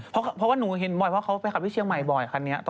เพราะว่าหนูเห็นบ่อยเพราะเขาไปขับที่เชียงใหม่บ่อยคันนี้